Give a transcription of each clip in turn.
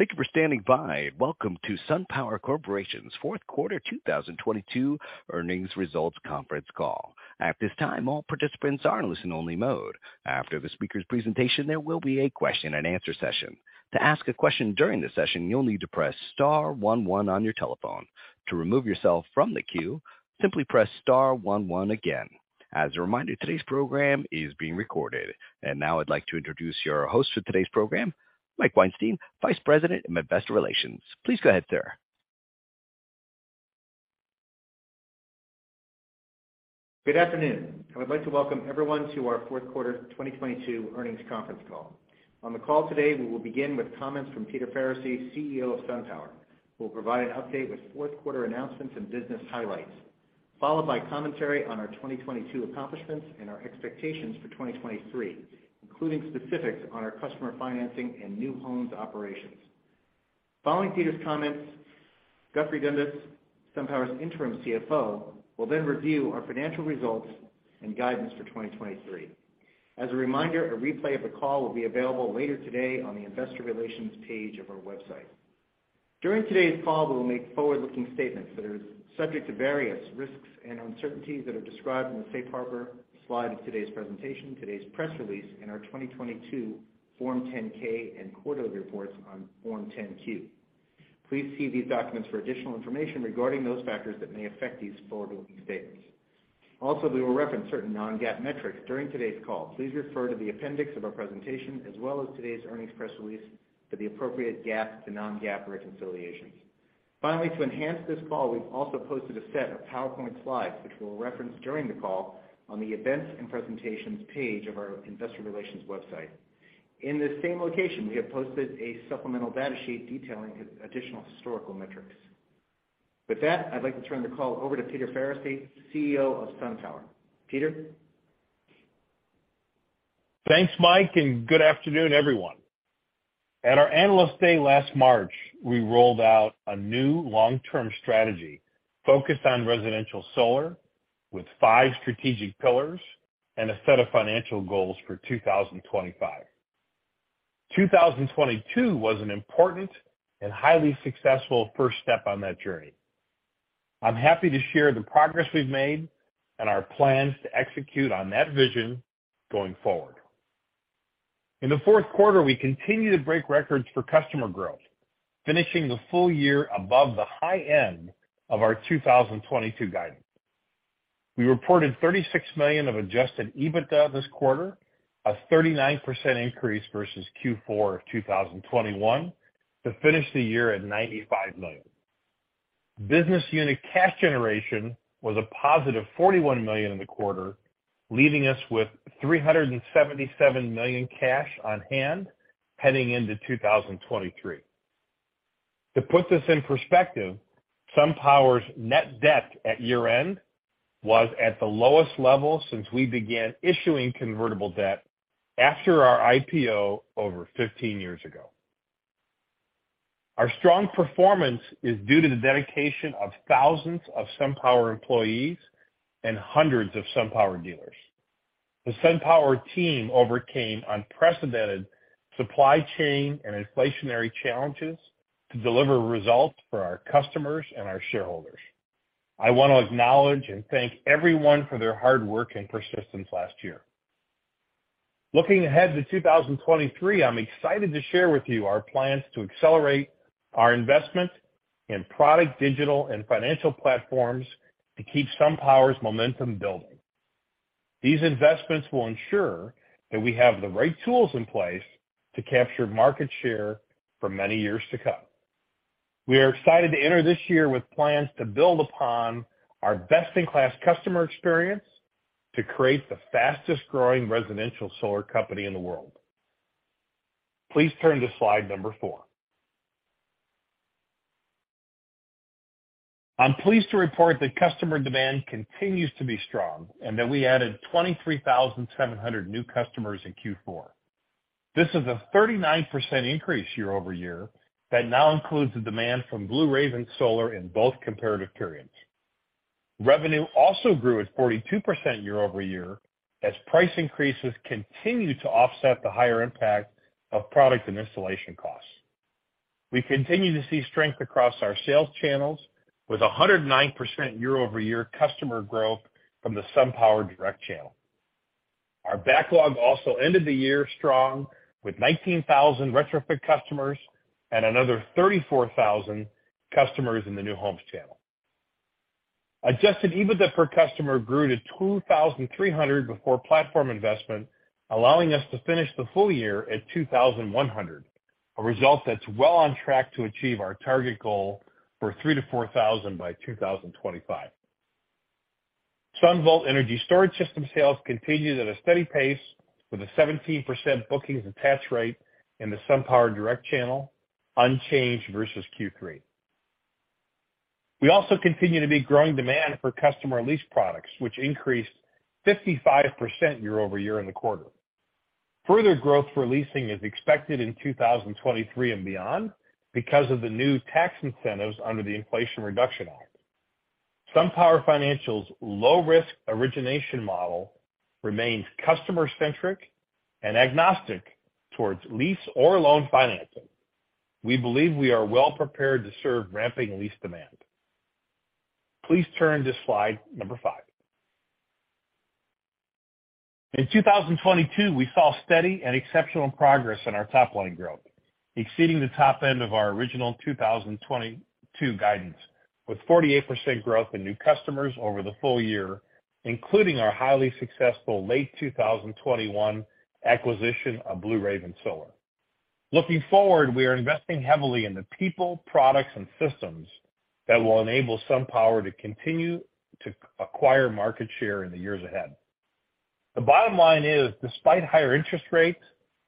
Thank you for standing by, welcome to SunPower Corporation's fourth quarter 2022 earnings results conference call. At this time, all participants are in listen only mode. After the speaker's presentation, there will be a question and answer session. To ask a question during the session, you'll need to press star one one on your telephone. To remove yourself from the queue, simply press star one one again. As a reminder, today's program is being recorded. Now I'd like to introduce your host for today's program, Mike Weinstein, Vice President, Investor Relations. Please go ahead, sir. Good afternoon. I would like to welcome everyone to our fourth quarter 2022 earnings conference call. On the call today, we will begin with comments from Peter Faricy, CEO of SunPower, who will provide an update with fourth quarter announcements and business highlights, followed by commentary on our 2022 accomplishments and our expectations for 2023, including specifics on our customer financing and new homes operations. Following Peter's comments, Guthrie Dundas, SunPower's Interim CFO, will then review our financial results and guidance for 2023. As a reminder, a replay of the call will be available later today on the investor relations page of our website. During today's call, we will make forward-looking statements that are subject to various risks and uncertainties that are described in the safe harbor slide of today's presentation, today's press release and our 2022 Form 10-K and quarterly reports on Form 10-Q. Please see these documents for additional information regarding those factors that may affect these forward-looking statements. We will reference certain non-GAAP metrics during today's call. Please refer to the appendix of our presentation as well as today's earnings press release for the appropriate GAAP to non-GAAP reconciliations. To enhance this call, we've also posted a set of PowerPoint slides, which we'll reference during the call on the events and presentations page of our investor relations website. In this same location, we have posted a supplemental data sheet detailing additional historical metrics. I'd like to turn the call over to Peter Faricy, CEO of SunPower. Peter? Thanks, Mike. Good afternoon, everyone. At our Analyst Day last March, we rolled out a new long-term strategy focused on residential solar with five strategic pillars and a set of financial goals for 2025. 2022 was an important and highly successful first step on that journey. I'm happy to share the progress we've made and our plans to execute on that vision going forward. In the fourth quarter, we continued to break records for customer growth, finishing the full year above the high end of our 2022 guidance. We reported 36 million of Adjusted EBITDA this quarter, a 39% increase versus Q4 of 2021, to finish the year at 95 million. Business unit cash generation was a positive 41 million in the quarter, leaving us with 377 million cash on hand heading into 2023. To put this in perspective, SunPower's net debt at year-end was at the lowest level since we began issuing convertible debt after our IPO over 15 years ago. Our strong performance is due to the dedication of thousands of SunPower employees and hundreds of SunPower dealers. The SunPower team overcame unprecedented supply chain and inflationary challenges to deliver results for our customers and our shareholders. I want to acknowledge and thank everyone for their hard work and persistence last year. Looking ahead to 2023, I'm excited to share with you our plans to accelerate our investment in product, digital, and financial platforms to keep SunPower's momentum building. These investments will ensure that we have the right tools in place to capture market share for many years to come. We are excited to enter this year with plans to build upon our best-in-class customer experience to create the fastest growing residential solar company in the world. Please turn to slide number four. I'm pleased to report that customer demand continues to be strong. We added 23,700 new customers in Q4. This is a 39% increase year-over-year that now includes the demand from Blue Raven Solar in both comparative periods. Revenue also grew at 42% year-over-year as price increases continued to offset the higher impact of product and installation costs. We continue to see strength across our sales channels with 109% year-over-year customer growth from the SunPower direct channel. Our backlog also ended the year strong with 19,000 retrofit customers and another 34,000 customers in the new homes channel. Adjusted EBITDA per customer grew to 2,300 before platform investment, allowing us to finish the full year at 2,100, a result that's well on track to achieve our target goal for 3,000-4,000 by 2025. SunVault energy storage system sales continued at a steady pace with a 17% bookings attach rate in the SunPower direct channel, unchanged versus Q3. We also continue to be growing demand for customer lease products, which increased 55% year-over-year in the quarter. Further growth for leasing is expected in 2023 and beyond because of the new tax incentives under the Inflation Reduction Act. SunPower Financial's low-risk origination model remains customer-centric and agnostic towards lease or loan financing. We believe we are well-prepared to serve ramping lease demand. Please turn to slide number five. In 2022, we saw steady and exceptional progress in our top-line growth, exceeding the top end of our original 2022 guidance, with 48% growth in new customers over the full year, including our highly successful late 2021 acquisition of Blue Raven Solar. Looking forward, we are investing heavily in the people, products, and systems that will enable SunPower to continue to acquire market share in the years ahead. The bottom line is, despite higher interest rates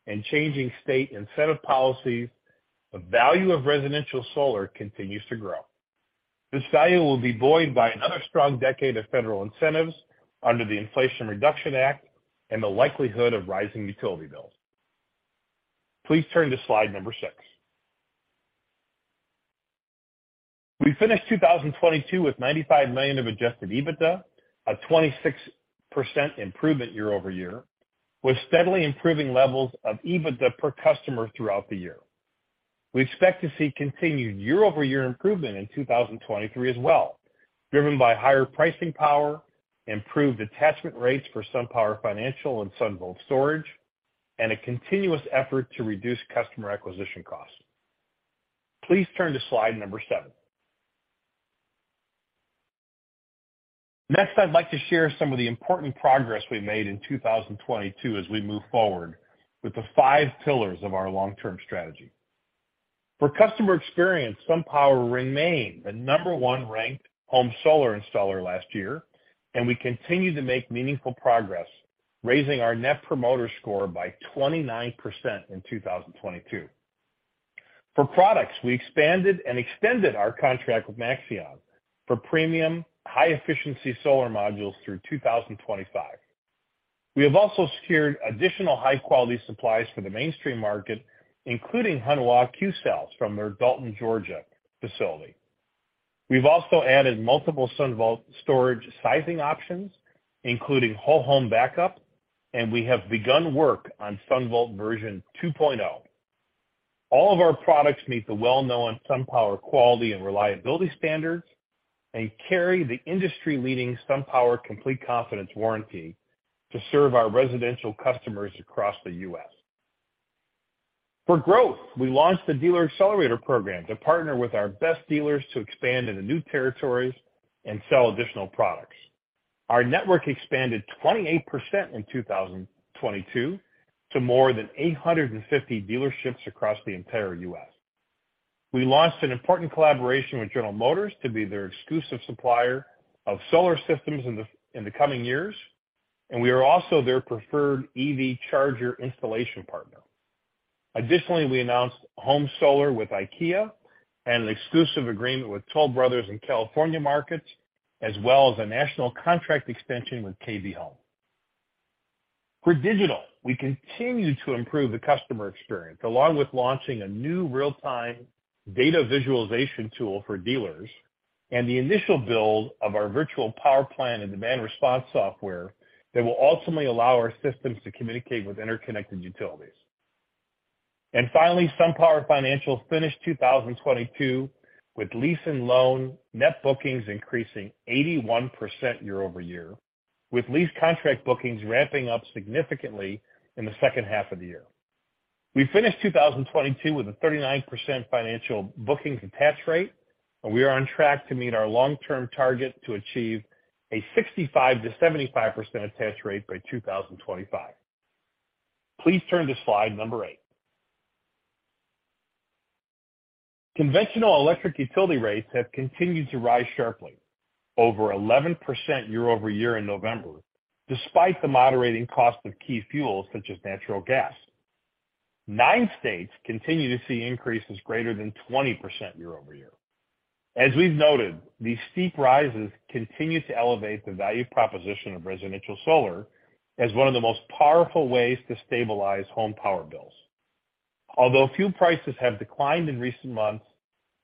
and changing state incentive policies, the value of residential solar continues to grow. This value will be buoyed by another strong decade of federal incentives under the Inflation Reduction Act and the likelihood of rising utility bills. Please turn to slide number six. We finished 2022 with 95 million of Adjusted EBITDA, a 26% improvement year-over-year, with steadily improving levels of EBITDA per customer throughout the year. We expect to see continued year-over-year improvement in 2023 as well, driven by higher pricing power, improved attachment rates for SunPower Financial and SunVault Storage, and a continuous effort to reduce customer acquisition costs. Please turn to slide seven. I'd like to share some of the important progress we made in 2022 as we move forward with the five pillars of our long-term strategy. For customer experience, SunPower remained the number 1 ranked home solar installer last year, and we continue to make meaningful progress, raising our Net Promoter Score by 29% in 2022. For products, we expanded and extended our contract with Maxeon for premium high-efficiency solar modules through 2025. We have also secured additional high-quality supplies for the mainstream market, including Hanwha Qcells from their Dalton, Georgia facility. We've also added multiple SunVault storage sizing options, including whole home backup, and we have begun work on SunVault version 2.0. All of our products meet the well-known SunPower quality and reliability standards and carry the industry-leading SunPower Complete Confidence Warranty to serve our residential customers across the U.S. For growth, we launched the Dealer Accelerator Program to partner with our best dealers to expand into new territories and sell additional products. Our network expanded 28% in 2022 to more than 850 dealerships across the entire U.S. We launched an important collaboration with General Motors to be their exclusive supplier of solar systems in the coming years, and we are also their preferred EV charger installation partner. Additionally, we announced home solar with IKEA and an exclusive agreement with Toll Brothers in California markets, as well as a national contract extension with KB Home. For digital, we continue to improve the customer experience along with launching a new real-time data visualization tool for dealers and the initial build of our virtual power plant and demand response software that will ultimately allow our systems to communicate with interconnected utilities. Finally, SunPower Financial finished 2022 with lease and loan net bookings increasing 81% year-over-year, with lease contract bookings ramping up significantly in the second half of the year. We finished 2022 with a 39% financial booking attach rate. We are on track to meet our long-term target to achieve a 65%-75% attach rate by 2025. Please turn to slide 8. Conventional electric utility rates have continued to rise sharply, over 11% year-over-year in November, despite the moderating cost of key fuels such as natural gas. Nine states continue to see increases greater than 20% year-over-year. As we've noted, these steep rises continue to elevate the value proposition of residential solar as one of the most powerful ways to stabilize home power bills. Although fuel prices have declined in recent months,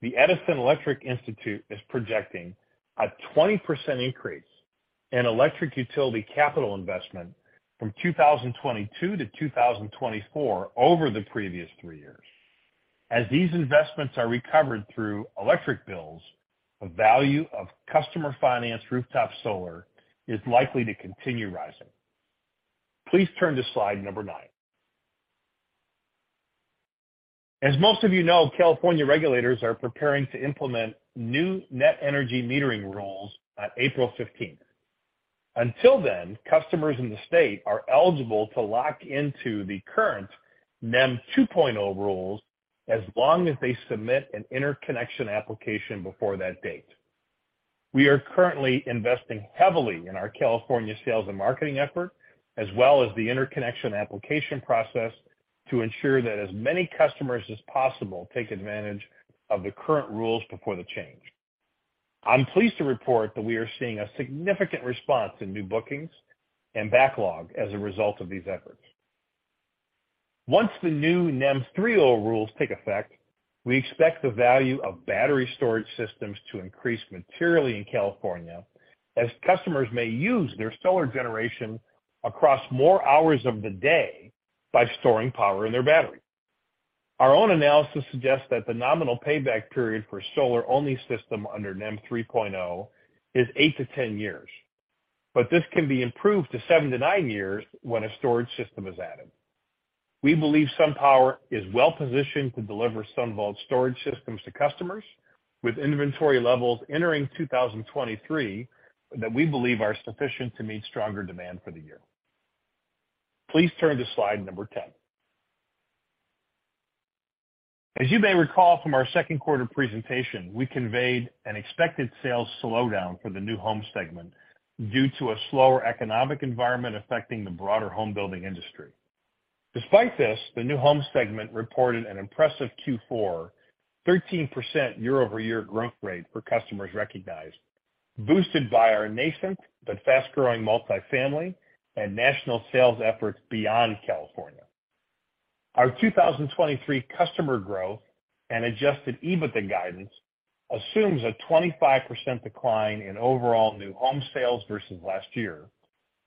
the Edison Electric Institute is projecting a 20% increase in electric utility capital investment from 2022 to 2024 over the previous three years. As these investments are recovered through electric bills, the value of customer-financed rooftop solar is likely to continue rising. Please turn to slide number nine. As most of you know, California regulators are preparing to implement new net energy metering rules on April 15th. Until then, customers in the state are eligible to lock into the current NEM 2.0 rules as long as they submit an interconnection application before that date. We are currently investing heavily in our California sales and marketing effort, as well as the interconnection application process to ensure that as many customers as possible take advantage of the current rules before the change. I'm pleased to report that we are seeing a significant response in new bookings and backlog as a result of these efforts. Once the new NEM 3.0 rules take effect, we expect the value of battery storage systems to increase materially in California as customers may use their solar generation across more hours of the day by storing power in their battery. Our own analysis suggests that the nominal payback period for solar-only system under NEM 3.0 is eight-10 years, but this can be improved to seven-nine years when a storage system is added. We believe SunPower is well-positioned to deliver SunVault storage systems to customers with inventory levels entering 2023 that we believe are sufficient to meet stronger demand for the year. Please turn to slide number 10. As you may recall from our second quarter presentation, we conveyed an expected sales slowdown for the new home segment due to a slower economic environment affecting the broader home building industry. Despite this, the new home segment reported an impressive Q4, 13% year-over-year growth rate for customers recognized, boosted by our nascent but fast-growing multifamily and national sales efforts beyond California. Our 2023 customer growth and Adjusted EBITDA guidance assumes a 25% decline in overall new home sales versus last year,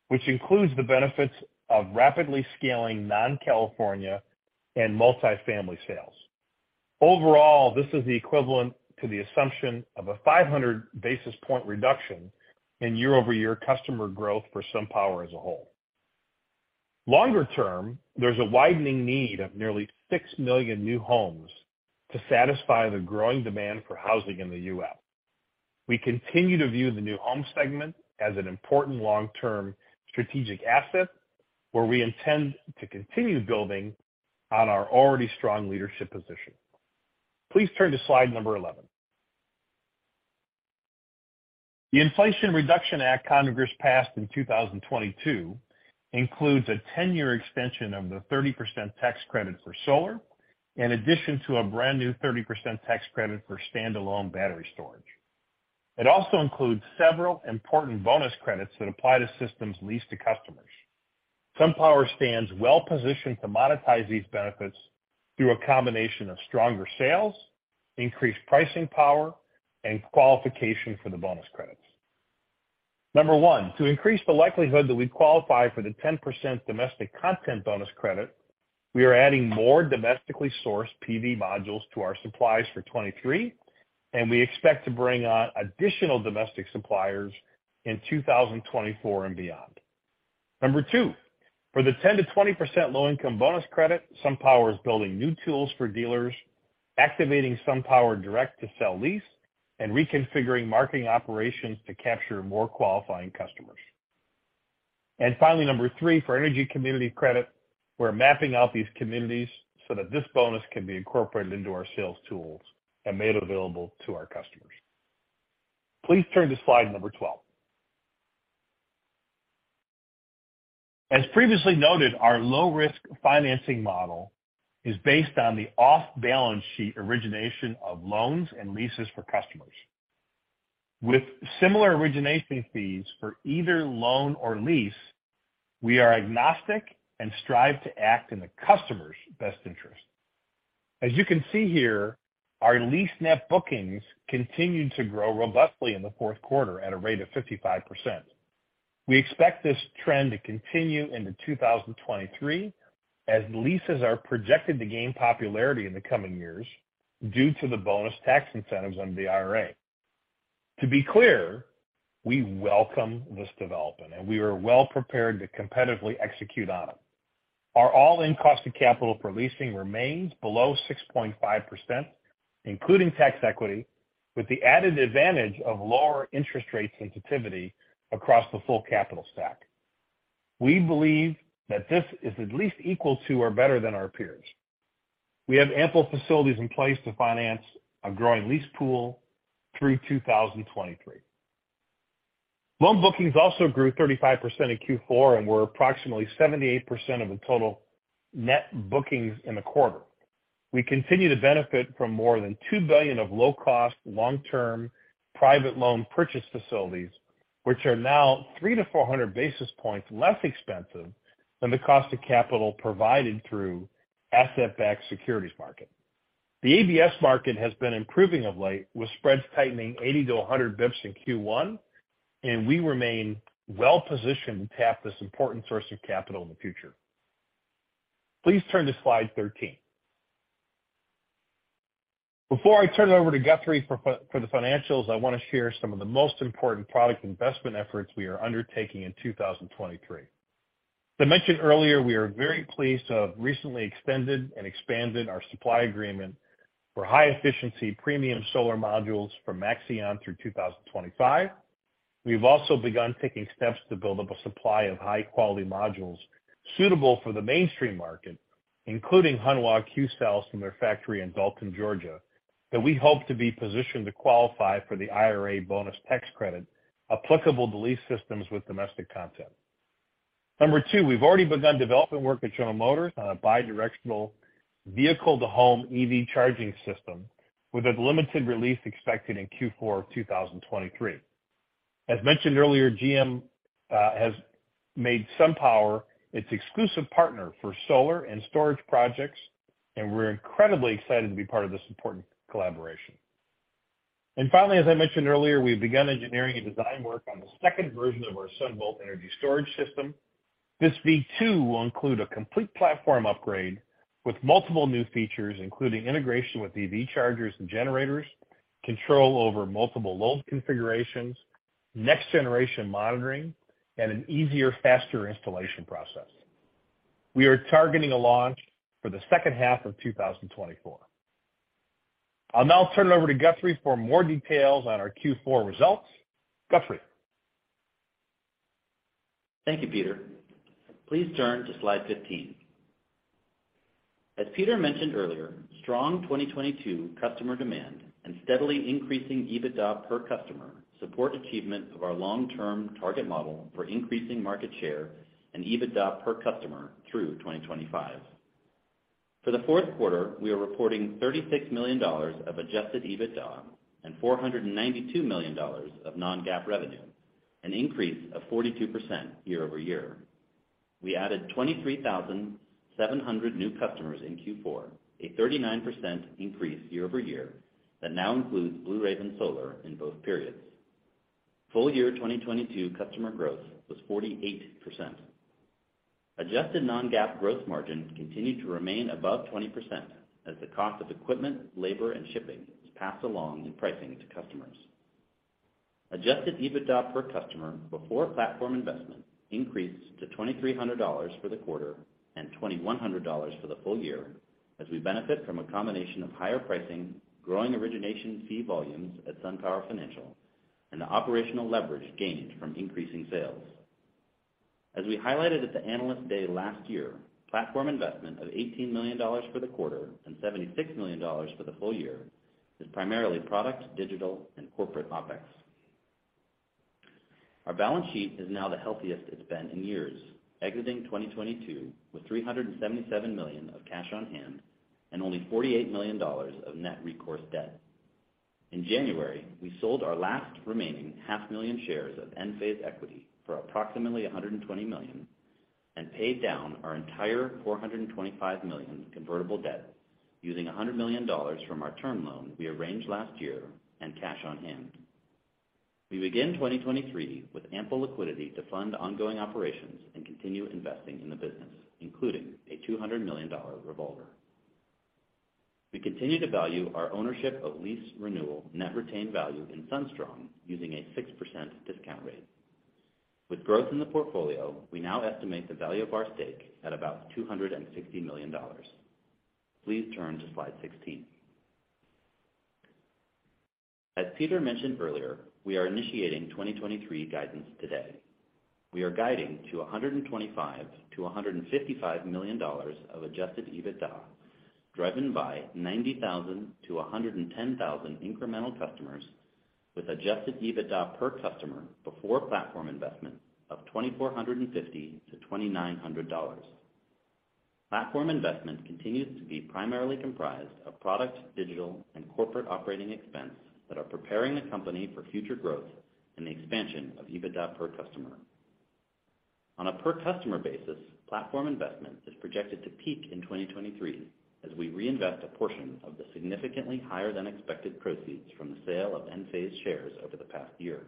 which includes the benefits of rapidly scaling non-California and multifamily sales. Overall, this is the equivalent to the assumption of a 500 basis point reduction in year-over-year customer growth for SunPower as a whole. Longer term, there's a widening need of nearly 6 million new homes to satisfy the growing demand for housing in the U.S. We continue to view the new home segment as an important long-term strategic asset, where we intend to continue building on our already strong leadership position. Please turn to slide number 11. The Inflation Reduction Act Congress passed in 2022 includes a 10-year extension of the 30% tax credit for solar, in addition to a brand-new 30% tax credit for standalone battery storage. It also includes several important bonus credits that apply to systems leased to customers. SunPower stands well-positioned to monetize these benefits through a combination of stronger sales, increased pricing power, and qualification for the bonus credits. Number one, to increase the likelihood that we qualify for the 10% domestic content bonus credit, we are adding more domestically sourced PV modules to our supplies for 2023, and we expect to bring on additional domestic suppliers in 2024 and beyond. Number two, for the 10%-20% low-income bonus credit, SunPower is building new tools for dealers, activating SunPower direct-to-sell lease, and reconfiguring marketing operations to capture more qualifying customers. Finally, number three, for energy community credit, we're mapping out these communities so that this bonus can be incorporated into our sales tools and made available to our customers. Please turn to slide number 12. As previously noted, our low-risk financing model is based on the off-balance-sheet origination of loans and leases for customers. With similar origination fees for either loan or lease, we are agnostic and strive to act in the customer's best interest. As you can see here, our lease net bookings continued to grow robustly in the fourth quarter at a rate of 55%. We expect this trend to continue into 2023 as leases are projected to gain popularity in the coming years due to the bonus tax incentives under the IRA. To be clear, we welcome this development, and we are well prepared to competitively execute on it. Our all-in cost of capital for leasing remains below 6.5%, including tax equity, with the added advantage of lower interest rate sensitivity across the full capital stack. We believe that this is at least equal to or better than our peers. We have ample facilities in place to finance a growing lease pool through 2023. Loan bookings also grew 35% in Q4 and were approximately 78% of the total net bookings in the quarter. We continue to benefit from more than 2 billion of low-cost, long-term private loan purchase facilities, which are now 300-400 basis points less expensive than the cost of capital provided through asset-backed securities market. The ABS market has been improving of late, with spreads tightening 80-100 bps in Q1, and we remain well-positioned to tap this important source of capital in the future. Please turn to slide 13. Before I turn it over to Guthrie for the financials, I want to share some of the most important product investment efforts we are undertaking in 2023. As I mentioned earlier, we are very pleased to have recently extended and expanded our supply agreement for high-efficiency premium solar modules from Maxeon through 2025. We've also begun taking steps to build up a supply of high-quality modules suitable for the mainstream market, including Hanwha Qcells from their factory in Dalton, Georgia, that we hope to be positioned to qualify for the IRA bonus tax credit applicable to lease systems with domestic content. Number two, we've already begun development work with General Motors on a bi-directional vehicle-to-home EV charging system with a limited release expected in Q4 of 2023. As mentioned earlier, GM has made SunPower its exclusive partner for solar and storage projects, We're incredibly excited to be part of this important collaboration. Finally, as I mentioned earlier, we've begun engineering and design work on the second version of our SunVault energy storage system. This V2 will include a complete platform upgrade with multiple new features, including integration with EV chargers and generators, control over multiple load configurations, next-generation monitoring, and an easier, faster installation process. We are targeting a launch for the second half of 2024. I'll now turn it over to Guthrie for more details on our Q4 results. Guthrie? Thank you, Peter. Please turn to slide 15. As Peter mentioned earlier, strong 2022 customer demand and steadily increasing EBITDA per customer support achievement of our long-term target model for increasing market share and EBITDA per customer through 2025. For the fourth quarter, we are reporting $36 million of Adjusted EBITDA and $492 million of non-GAAP revenue, an increase of 42% year-over-year. We added 23,700 new customers in Q4, a 39% increase year-over-year that now includes Blue Raven Solar in both periods. Full year 2022 customer growth was 48%. Adjusted non-GAAP growth margin continued to remain above 20% as the cost of equipment, labor, and shipping was passed along in pricing to customers. Adjusted EBITDA per customer before platform investment increased to $2,300 for the quarter and $2,100 for the full year as we benefit from a combination of higher pricing, growing origination fee volumes at SunPower Financial, and the operational leverage gained from increasing sales. As we highlighted at the Analyst Day last year, platform investment of $18 million for the quarter and $76 million for the full year is primarily product, digital, and corporate OpEx. Our balance sheet is now the healthiest it's been in years, exiting 2022 with 377 million of cash on hand and only $48 million of net recourse debt. In January, we sold our last remaining half million shares of Enphase equity for approximately 120 million and paid down our entire 425 million convertible debt using $100 million from our term loan we arranged last year and cash on hand. We begin 2023 with ample liquidity to fund ongoing operations and continue investing in the business, including a $200 million revolver. We continue to value our ownership of lease renewal net retained value in SunStrong using a 6% discount rate. With growth in the portfolio, we now estimate the value of our stake at about 260 million. Please turn to slide 16. As Peter mentioned earlier, we are initiating 2023 guidance today. We are guiding to $125 million-$155 million of Adjusted EBITDA, driven by 90,000-110,000 incremental customers with Adjusted EBITDA per customer before platform investment of $2,450-$2,900. Platform investment continues to be primarily comprised of product, digital, and corporate operating expense that are preparing the company for future growth and the expansion of EBITDA per customer. On a per customer basis, platform investment is projected to peak in 2023 as we reinvest a portion of the significantly higher than expected proceeds from the sale of Enphase shares over the past year.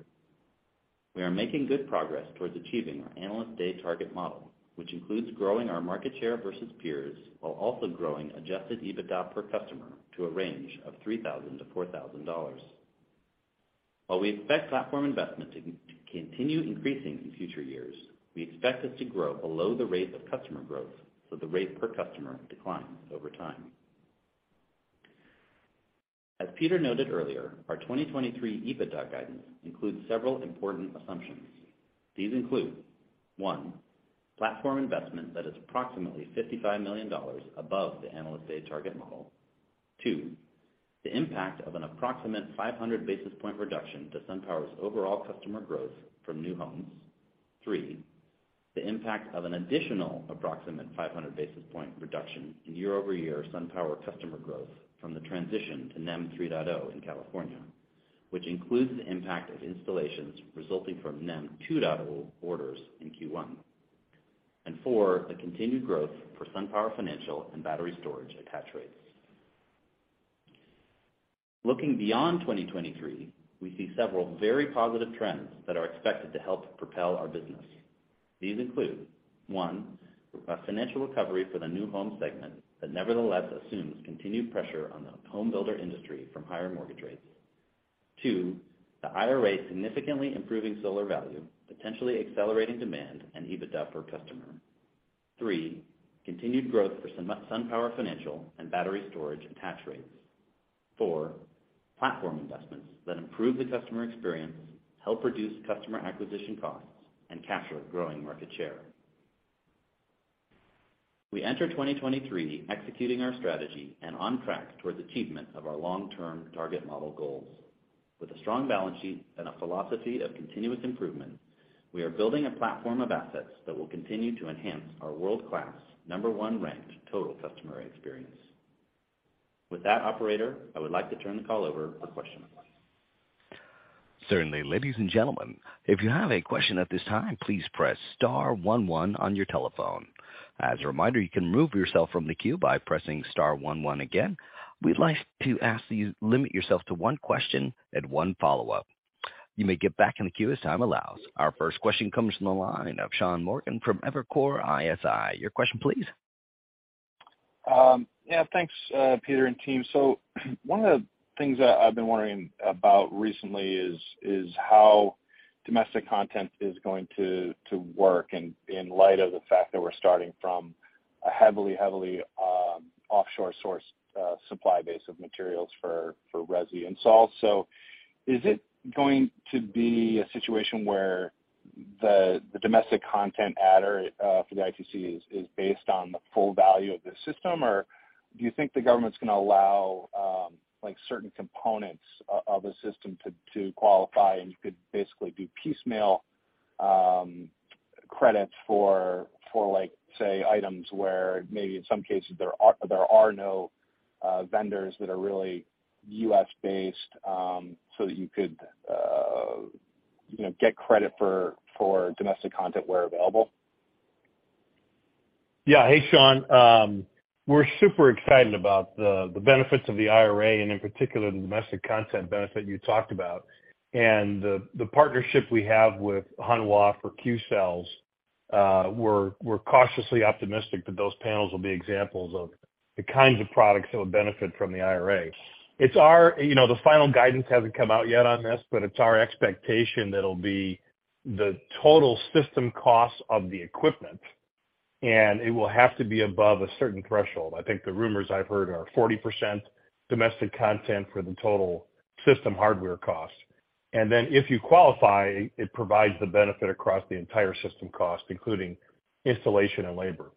We are making good progress towards achieving our Analyst Day target model, which includes growing our market share versus peers while also growing Adjusted EBITDA per customer to a range of $3,000-$4,000. While we expect platform investment to continue increasing in future years, we expect this to grow below the rate of customer growth, so the rate per customer declines over time. As Peter noted earlier, our 2023 EBITDA guidance includes several important assumptions. These include, one, platform investment that is approximately $55 million above the Analyst Day target model. two, the impact of an approximate 500 basis point reduction to SunPower's overall customer growth from new homes. three, the impact of an additional approximate 500 basis point reduction in year-over-year SunPower customer growth from the transition to NEM 3.0 in California, which includes the impact of installations resulting from NEM 2.0 orders in Q1. 4, the continued growth for SunPower Financial and battery storage attach rates. Looking beyond 2023, we see several very positive trends that are expected to help propel our business. These include, one, a financial recovery for the new home segment that nevertheless assumes continued pressure on the home builder industry from higher mortgage rates. Two, the IRA significantly improving solar value, potentially accelerating demand and Adjusted EBITDA per customer. Three, continued growth for SunPower Financial and battery storage attach rates. Four, platform investments that improve the customer experience, help reduce customer acquisition costs, and capture growing market share. We enter 2023 executing our strategy and on track towards achievement of our long-term target model goals. With a strong balance sheet and a philosophy of continuous improvement, we are building a platform of assets that will continue to enhance our world-class number one ranked total customer experience. With that operator, I would like to turn the call over for question and reply. Certainly. Ladies and gentlemen, if you have a question at this time, please press star one one on your telephone. As a reminder, you can remove yourself from the queue by pressing star one one again. We'd like to ask that you limit yourself to one question and one follow-up. You may get back in the queue as time allows. Our first question comes from the line of Sean Morgan from Evercore ISI. Your question please. Yeah, thanks, Peter and team. One of the things I've been wondering about recently is how domestic content is going to work in light of the fact that we're starting from a heavily offshore source supply base of materials for resi installs. Is it going to be a situation where the domestic content adder for the ITC is based on the full value of the system? Or do you think the government's going to allow like certain components of a system to qualify and you could basically do piecemeal credits for like, say, items where maybe in some cases there are no vendors that are really U.S.-based, so that you could, you know, get credit for domestic content where available? Yeah. Hey, Sean. We're super excited about the benefits of the IRA and in particular the domestic content benefit you talked about. The partnership we have with Hanwha Qcells for Qcells, we're cautiously optimistic that those panels will be examples of the kinds of products that will benefit from the IRA. You know, the final guidance hasn't come out yet on this, but it's our expectation that it'll be the total system cost of the equipment, and it will have to be above a certain threshold. I think the rumors I've heard are 40% domestic content for the total system hardware cost. If you qualify, it provides the benefit across the entire system cost, including installation and labor.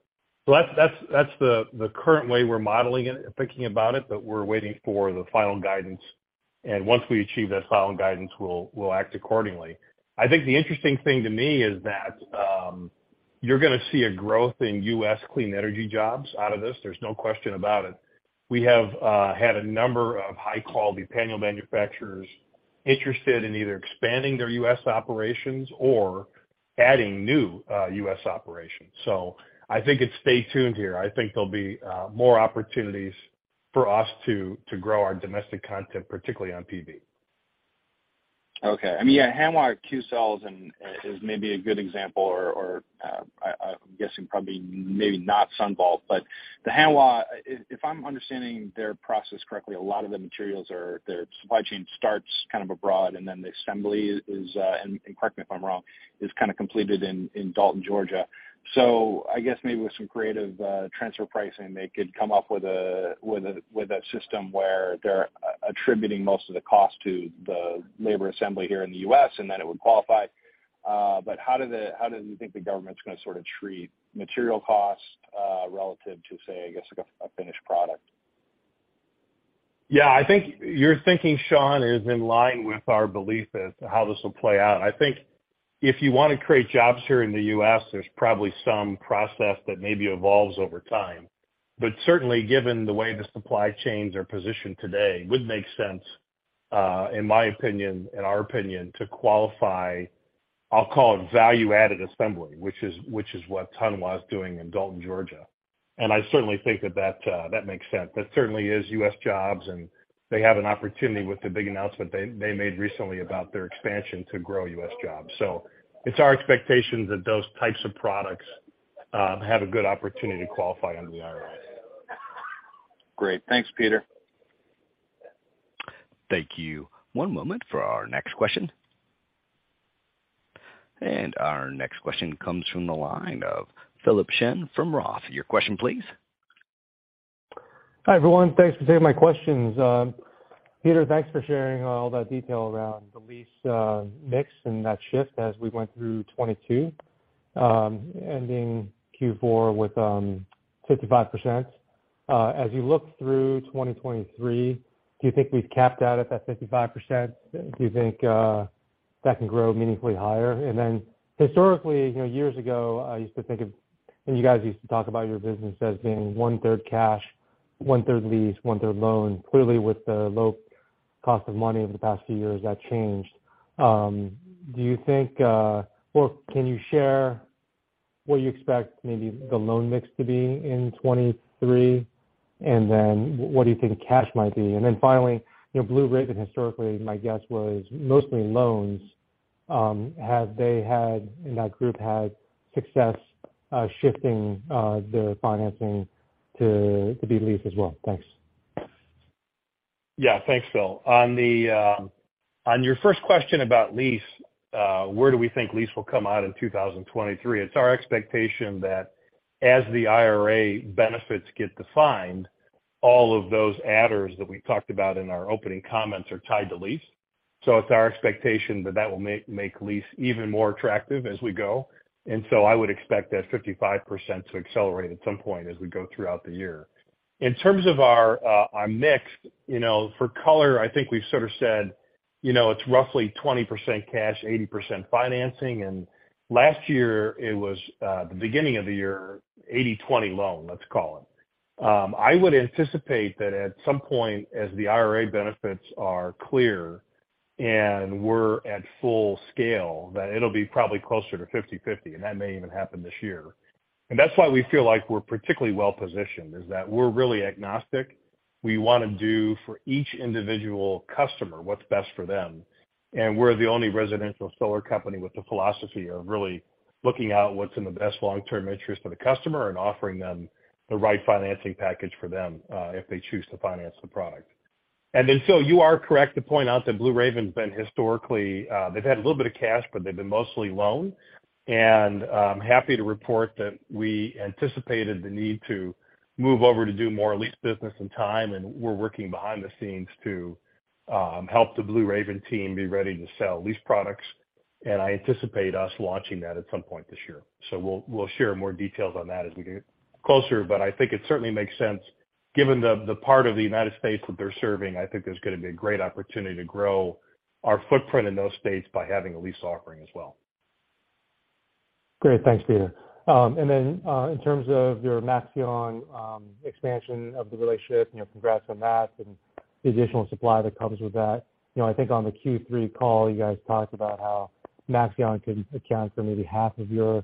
That's the current way we're modeling it and thinking about it, we're waiting for the final guidance, once we achieve that final guidance, we'll act accordingly. I think the interesting thing to me is that you're going to see a growth in U.S. clean energy jobs out of this. There's no question about it. We have had a number of high-quality panel manufacturers interested in either expanding their U.S. operations or adding new, U.S. operations. I think it's stay tuned here. I think there'll be more opportunities for us to grow our domestic content, particularly on PV. I mean, yeah, Hanwha Qcells and is maybe a good example or I'm guessing probably maybe not SunVault. The Hanwha, if I'm understanding their process correctly, a lot of the materials or their supply chain starts kind of abroad, and then the assembly is, and correct me if I'm wrong, is kinda completed in Dalton, Georgia. I guess maybe with some creative transfer pricing, they could come up with a system where they're attributing most of the cost to the labor assembly here in the U.S., and then it would qualify. How do you think the government's going to sorta treat material costs relative to, say, I guess, like a finished product? I think your thinking, Sean, is in line with our belief as to how this will play out. I think if you want to create jobs here in the U.S., there's probably some process that maybe evolves over time. Certainly given the way the supply chains are positioned today would make sense, in my opinion, in our opinion, to qualify, I'll call it value-added assembly, which is what Hanwha's doing in Dalton, Georgia. I certainly think that that makes sense. That certainly is U.S. jobs, and they have an opportunity with the big announcement they made recently about their expansion to grow U.S. jobs. It's our expectation that those types of products have a good opportunity to qualify under the IRA. Great. Thanks, Peter. Thank you. One moment for our next question. Our next question comes from the line of Philip Shen from Roth. Your question please. Hi, everyone. Thanks for taking my questions. Peter, thanks for sharing all that detail around the lease mix and that shift as we went through 2022, ending Q4 with 55%. As you look through 2023, do you think we've capped out at that 55%? Do you think that can grow meaningfully higher? Historically, you know, years ago, I used to think of, and you guys used to talk about your business as being one-third cash, one-third lease, one-third loan. Clearly, with the low cost of money over the past few years, that changed. Do you think, or can you share what you expect maybe the loan mix to be in 2023, what do you think cash might be? Finally, you know, Blue Raven, historically, my guess was mostly loans. Have they had, in that group, had success shifting their financing to be leased as well? Thanks. Thanks, Phil. On your first question about lease, where do we think lease will come out in 2023? It's our expectation that as the IRA benefits get defined, all of those adders that we talked about in our opening comments are tied to lease. It's our expectation that that will make lease even more attractive as we go. I would expect that 55% to accelerate at some point as we go throughout the year. In terms of our mix, you know, for color, I think we've sort of said, you know, it's roughly 20% cash, 80% financing. Last year it was the beginning of the year, 80-20 loan, let's call it. I would anticipate that at some point, as the IRA benefits are clear and we're at full scale, that it'll be probably closer to 50/50, and that may even happen this year. That's why we feel like we're particularly well positioned, is that we're really agnostic. We want to do for each individual customer what's best for them. We're the only residential solar company with the philosophy of really looking out what's in the best long-term interest of the customer and offering them the right financing package for them if they choose to finance the product. Phil, you are correct to point out that Blue Raven has been historically, they've had a little bit of cash, but they've been mostly loan. I'm happy to report that we anticipated the need to move over to do more lease business in time, and we're working behind the scenes to help the Blue Raven team be ready to sell lease products. I anticipate us launching that at some point this year. We'll share more details on that as we get closer. I think it certainly makes sense given the part of the United States that they're serving, I think there's going to be a great opportunity to grow our footprint in those states by having a lease offering as well. Great. Thanks, Peter. In terms of your Maxeon expansion of the relationship, you know, congrats on that and the additional supply that comes with that. You know, I think on the Q3 call, you guys talked about how Maxeon can account for maybe half of your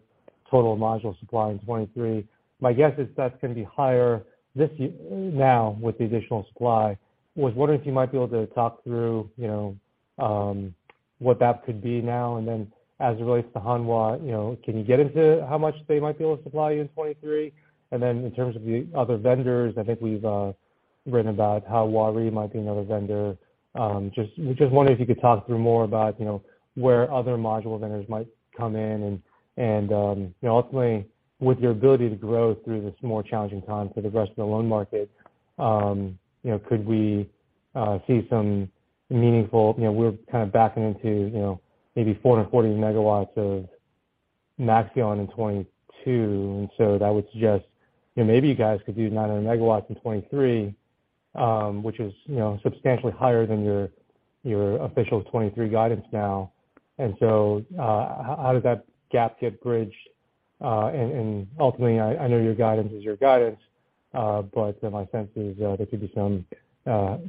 total module supply in 23. My guess is that's going to be higher this year, now with the additional supply. Was wondering if you might be able to talk through, you know, what that could be now. Then as it relates to Hanwha, you know, can you get into how much they might be able to supply you in 23? Then in terms of the other vendors, I think we've written about how Waaree might be another vendor. Just wondering if you could talk through more about, you know, where other module vendors might come in and, you know, ultimately, with your ability to grow through this more challenging time for the rest of the loan market, you know, could we see some meaningful... You know, we're kind of backing into, you know, maybe 440 megawatts of Maxeon in 2022, that would suggest, you know, maybe you guys could do 900 megawatts in 2023, which is, you know, substantially higher than your official 2023 guidance now. How does that gap get bridged? And ultimately, I know your guidance is your guidance, but my sense is there could be some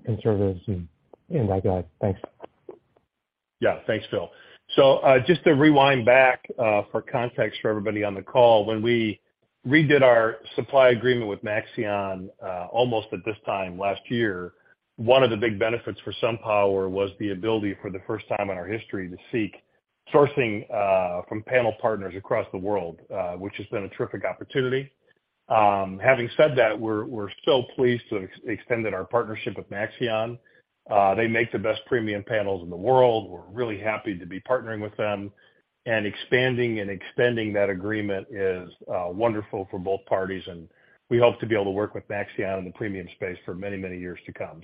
conservatism in that guide. Thanks. Yeah. Thanks, Phil. Just to rewind back for context for everybody on the call, when we redid our supply agreement with Maxeon almost at this time last year, one of the big benefits for SunPower was the ability for the first time in our history to seek sourcing from panel partners across the world, which has been a terrific opportunity. Having said that, we're so pleased to extend our partnership with Maxeon. They make the best premium panels in the world. We're really happy to be partnering with them. Expanding and extending that agreement is wonderful for both parties, and we hope to be able to work with Maxeon in the premium space for many, many years to come.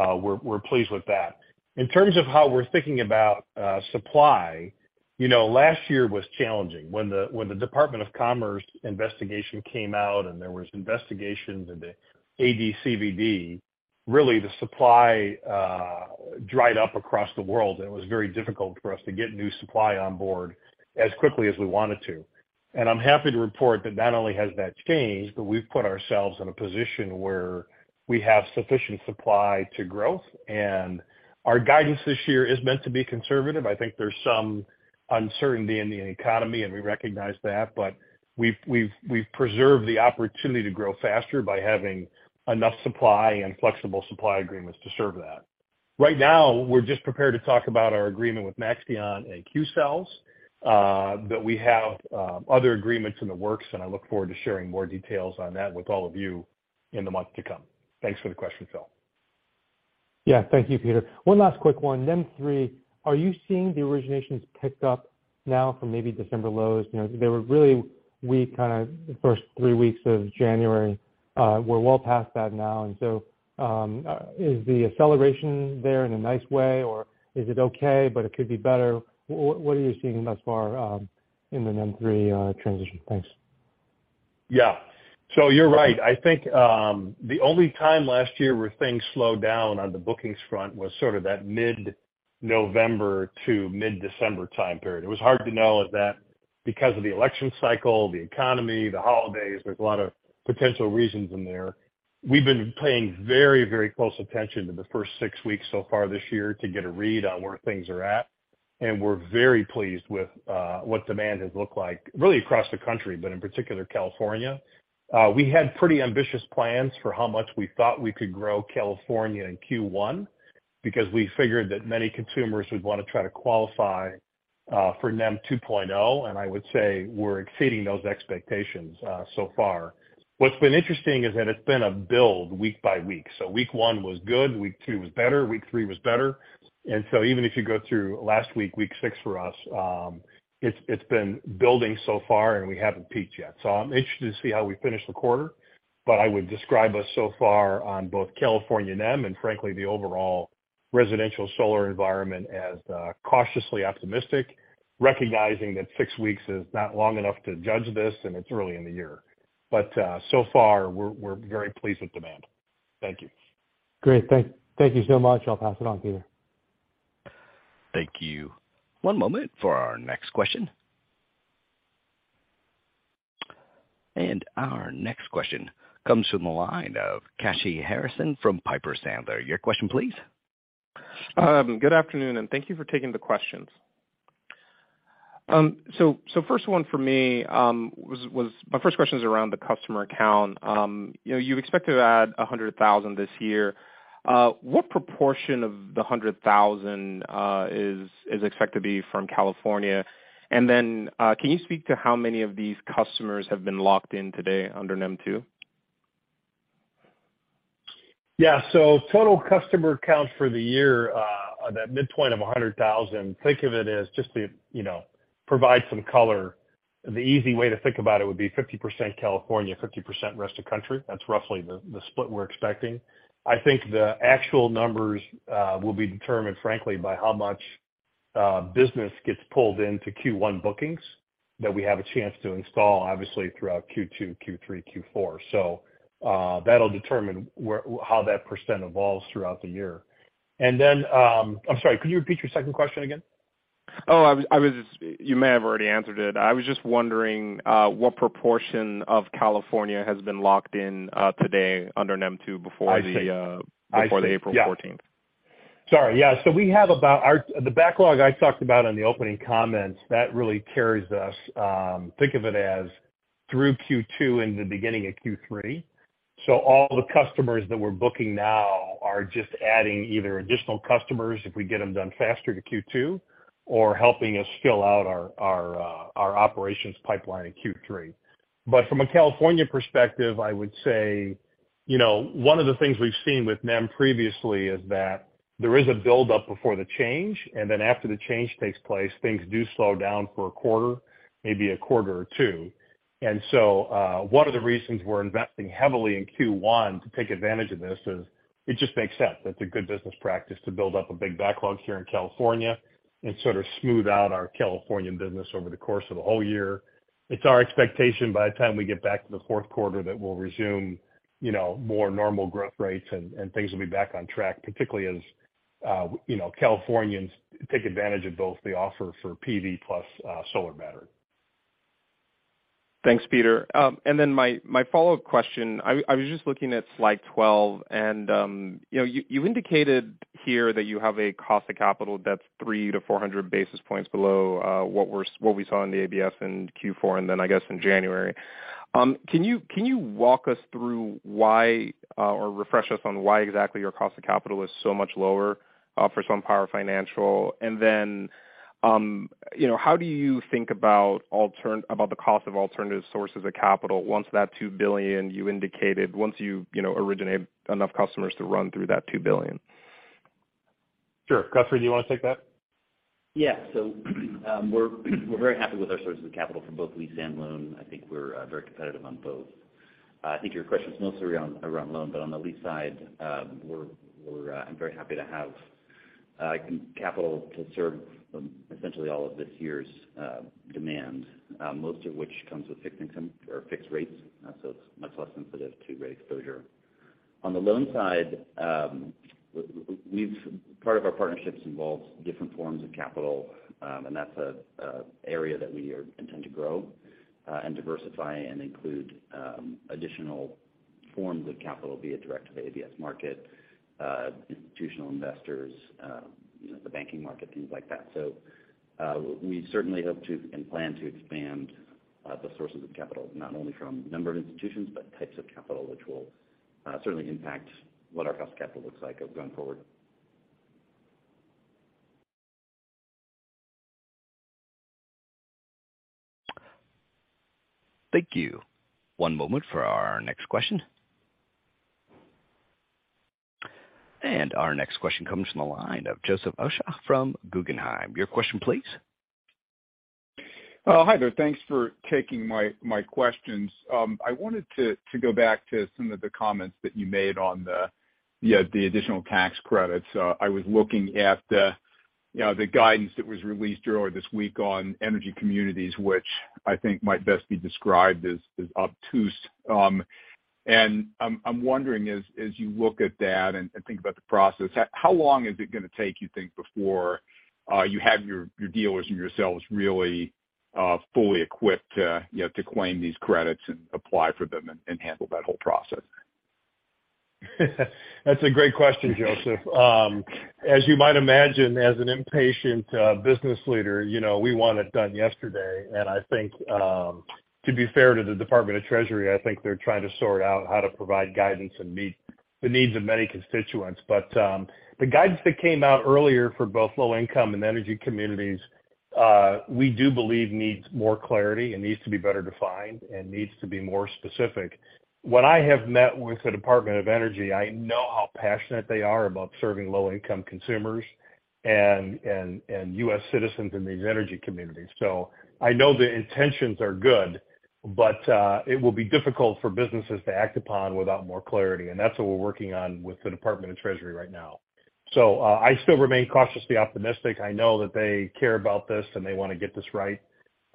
We're pleased with that. In terms of how we're thinking about, supply, you know, last year was challenging. When the Department of Commerce investigation came out and there was investigations into AD/CVD, really the supply dried up across the world, and it was very difficult for us to get new supply on board as quickly as we wanted to. I'm happy to report that not only has that changed, but we've put ourselves in a position where we have sufficient supply to growth. Our guidance this year is meant to be conservative. I think there's some uncertainty in the economy, and we recognize that. We've preserved the opportunity to grow faster by having enough supply and flexible supply agreements to serve that. Right now, we're just prepared to talk about our agreement with Maxeon and Qcells, but we have other agreements in the works, and I look forward to sharing more details on that with all of you in the months to come. Thanks for the question, Phil. Yeah. Thank you, Peter. One last quick one. NEM 3.0, are you seeing the originations pick up now from maybe December lows? You know, they were really weak kinda the first three weeks of January. We're well past that now. Is the acceleration there in a nice way, or is it okay, but it could be better? What are you seeing thus far in the NEM 3.0 transition? Thanks. Yeah. You're right. I think the only time last year where things slowed down on the bookings front was sort of that mid-November to mid-December time period. It was hard to know if that, because of the election cycle, the economy, the holidays, there's a lot of potential reasons in there. We've been paying very, very close attention to the first 6 weeks so far this year to get a read on where things are at, we're very pleased with what demand has looked like really across the country, but in particular, California. We had pretty ambitious plans for how much we thought we could grow California in Q1 because we figured that many consumers would want to try to qualify for NEM 2.0, I would say we're exceeding those expectations so far. What's been interesting is that it's been a build week by week. Week one was good, week two was better, week three was better. Even if you go through last week six for us, it's been building so far, and we haven't peaked yet. I'm interested to see how we finish the quarter. I would describe us so far on both California NEM and frankly, the overall residential solar environment as cautiously optimistic, recognizing that six weeks is not long enough to judge this and it's early in the year. So far, we're very pleased with demand. Thank you. Great. Thank you so much. I'll pass it on, Peter. Thank you. One moment for our next question. Our next question comes from the line of Kashy Harrison from Piper Sandler. Your question, please. Good afternoon, and thank you for taking the questions. First one for me, my first question is around the customer count. You know, you expect to add 100,000 this year. What proportion of the 100,000 is expected to be from California? Then, can you speak to how many of these customers have been locked in today under NEM 2? Yeah. Total customer count for the year, at that midpoint of 100,000, think of it as just to, you know, provide some color, the easy way to think about it would be 50% California, 50% rest of country. That's roughly the split we're expecting. I think the actual numbers will be determined frankly by how much business gets pulled into Q1 bookings that we have a chance to install, obviously throughout Q2, Q3, Q4. That'll determine how that % evolves throughout the year. I'm sorry, could you repeat your second question again? I was just. You may have already answered it. I was just wondering what proportion of California has been locked in today under NEM 2. I see. before the April fourteenth. Sorry, yeah. The backlog I talked about in the opening comments, that really carries us, think of it as through Q2 into beginning of Q3. All the customers that we're booking now are just adding either additional customers if we get them done faster to Q2 or helping us fill out our operations pipeline in Q3. From a California perspective, I would say, you know, one of the things we've seen with NEM previously is that there is a buildup before the change, and then after the change takes place, things do slow down for a quarter, maybe a quarter or two. One of the reasons we're investing heavily in Q1 to take advantage of this is it just makes sense. It's a good business practice to build up a big backlog here in California and sort of smooth out our Californian business over the course of the whole year. It's our expectation by the time we get back to the fourth quarter that we'll resume, you know, more normal growth rates and things will be back on track, particularly as, you know, Californians take advantage of both the offer for PV plus solar battery. Thanks, Peter. My, my follow-up question, I was just looking at slide 12 and, you know, you indicated here that you have a cost of capital that's 300-400 basis points below what we saw in the ABS in Q4 and then I guess in January. Can you walk us through why or refresh us on why exactly your cost of capital is so much lower for SunPower Financial? How do you think about the cost of alternative sources of capital once that 2 billion you indicated, once you know, originate enough customers to run through that $2 billion? Sure. Guthrie, do you want to take that? Yeah. We're very happy with our sources of capital for both lease and loan. I think we're very competitive on both. I think your question is mostly around loan, but on the lease side, I'm very happy to have capital to serve essentially all of this year's demand, most of which comes with fixed income or fixed rates. It's much less sensitive to rate exposure. On the loan side, part of our partnerships involves different forms of capital, and that's a area that we intend to grow and diversify and include additional forms of capital, be it direct to the ABS market, institutional investors, you know, the banking market, things like that. We certainly hope to and plan to expand the sources of capital, not only from number of institutions, but types of capital, which will certainly impact what our cost of capital looks like going forward. Thank you. One moment for our next question. Our next question comes from the line of Joseph Osha from Guggenheim. Your question, please. Hi there. Thanks for taking my questions. I wanted to go back to some of the comments that you made on the, you know, the additional tax credits. I was looking at, you know, the guidance that was released earlier this week on energy communities, which I think might best be described as obtuse. I'm wondering as you look at that and think about the process, how long is it going to take, you think, before you have your dealers and yourselves really fully equipped, you know, to claim these credits and apply for them and handle that whole process? That's a great question, Joseph. As you might imagine, as an impatient business leader, you know, we want it done yesterday. I think, to be fair to the Department of the Treasury, I think they're trying to sort out how to provide guidance and meet the needs of many constituents. The guidance that came out earlier for both low-income and energy communities, we do believe needs more clarity and needs to be better defined and needs to be more specific. When I have met with the Department of Energy, I know how passionate they are about serving low-income consumers and U.S. citizens in these energy communities. I know the intentions are good, it will be difficult for businesses to act upon without more clarity. That's what we're working on with the Department of the Treasury right now. I still remain cautiously optimistic. I know that they care about this, and they want to get this right.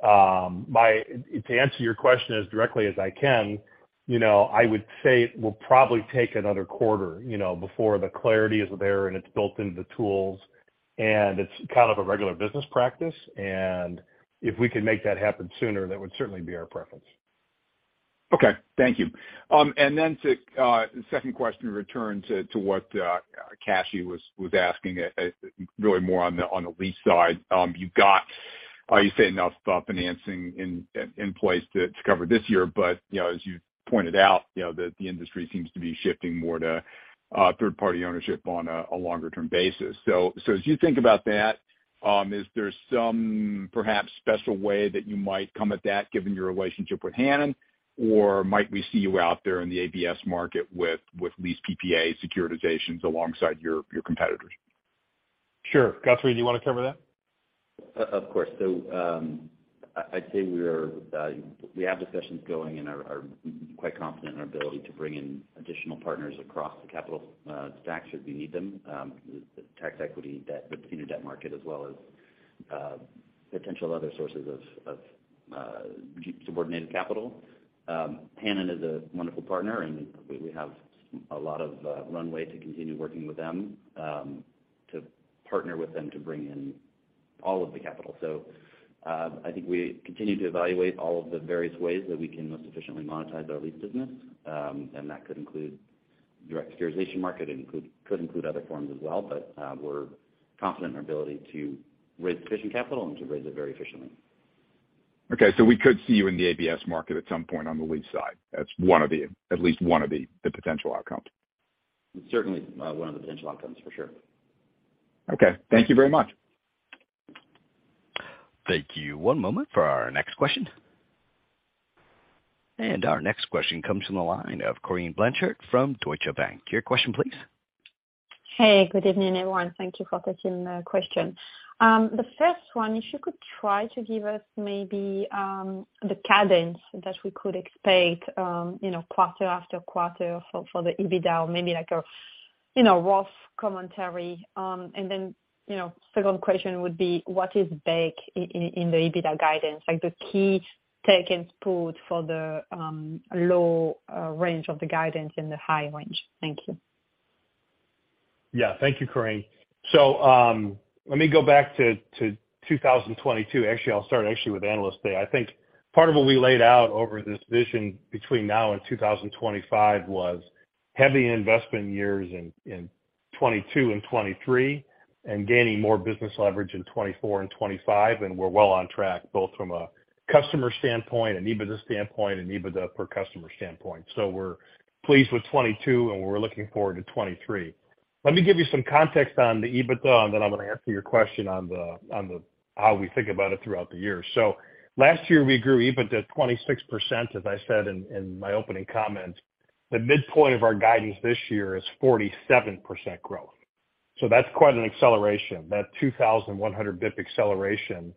To answer your question as directly as I can, you know, I would say it will probably take another quarter, you know, before the clarity is there, and it's built into the tools, and it's kind of a regular business practice. If we can make that happen sooner, that would certainly be our preference. And then to second question, return to what Kashy was asking, really more on the lease side. You've got, you say enough financing in place to cover this year, but, you know, as you pointed out, you know, the industry seems to be shifting more to third party ownership on a longer term basis. So as you think about that, is there some perhaps special way that you might come at that given your relationship with Hannon Armstrong? Or might we see you out there in the ABS market with leased PPA securitizations alongside your competitors? Sure. Guthrie, do you want to cover that? Of course. I'd say we are, we have discussions going and are quite confident in our ability to bring in additional partners across the capital stack should we need them, tax equity debt with the senior debt market as well as potential other sources of subordinated capital. Hannon Armstrong is a wonderful partner, and we have a lot of runway to continue working with them, to partner with them to bring in all of the capital. I think we continue to evaluate all of the various ways that we can most efficiently monetize our lease business, and that could include direct securitization market and could include other forms as well. We're confident in our ability to raise sufficient capital and to raise it very efficiently. Okay, we could see you in the ABS market at some point on the lease side. That's at least one of the potential outcomes. Certainly, one of the potential outcomes for sure. Okay. Thank you very much. Thank you. One moment for our next question. Our next question comes from the line of Corinne Blanchard from Deutsche Bank. Your question please. Hey, good evening, everyone. Thank you for taking the question. The first one, if you could try to give us maybe the cadence that we could expect, quarter after quarter for the EBITDA, or maybe like a rough commentary. Second question would be what is baked in the EBITDA guidance, like the key take and put for the low range of the guidance and the high range? Thank you. Thank you, Corinne. Let me go back to 2022. Actually, I'll start actually with Analyst Day. I think part of what we laid out over this vision between now and 2025 was heavy investment years in '22 and '23 and gaining more business leverage in '24 and '25, and we're well on track, both from a customer standpoint, an EBITDA standpoint, and EBITDA per customer standpoint. We're pleased with '22, and we're looking forward to '23. Let me give you some context on the EBITDA, and then I'm going to answer your question on the how we think about it throughout the year. Last year we grew EBITDA 26%, as I said in my opening comments. The midpoint of our guidance this year is 47% growth. That's quite an acceleration. That 2,100 BP acceleration,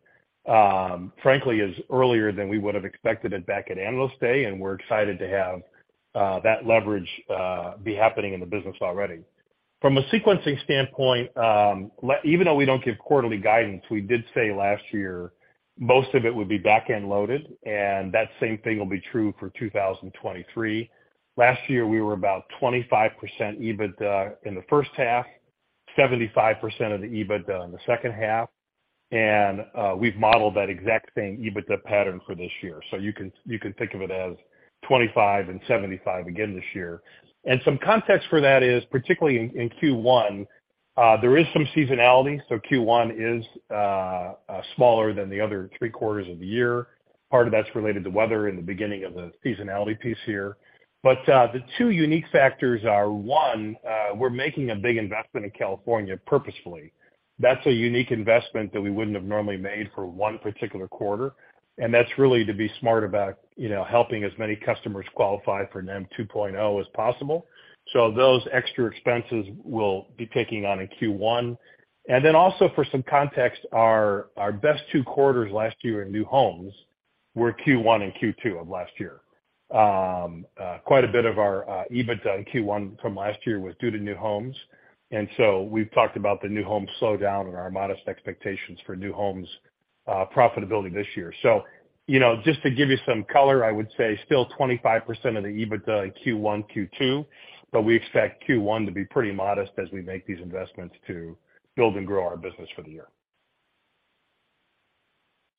frankly, is earlier than we would have expected it back at Analyst Day, and we're excited to have that leverage be happening in the business already. From a sequencing standpoint, even though we don't give quarterly guidance, we did say last year, most of it would be back-end loaded, and that same thing will be true for 2023. Last year, we were about 25% EBITDA in the first half, 75% of the EBITDA in the second half. We've modeled that exact same EBITDA pattern for this year. You can think of it as 25 and 75 again this year. Some context for that is particularly in Q1, there is some seasonality, so Q1 is smaller than the other three quarters of the year. Part of that's related to weather in the beginning of the seasonality piece here. The two unique factors are, one, we're making a big investment in California purposefully. That's a unique investment that we wouldn't have normally made for one particular quarter, and that's really to be smart about, you know, helping as many customers qualify for NEM 2.0 as possible. Those extra expenses we'll be taking on in Q1. For some context, our best two quarters last year in new homes were Q1 and Q2 of last year. Quite a bit of our EBITDA in Q1 from last year was due to new homes. We've talked about the new home slowdown and our modest expectations for new homes, profitability this year. You know, just to give you some color, I would say still 25% of the EBITDA in Q1, Q2, but we expect Q1 to be pretty modest as we make these investments to build and grow our business for the year.